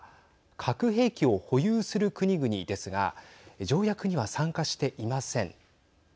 核兵器を保有する国々ですが条約には参加していません。